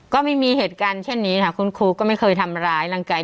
ก็ไม่มีเหตุการณ์เช่นนี้ค่ะคุณครูก็ไม่เคยทำร้ายร่างกาย